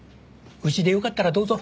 うちでよかったらどうぞ。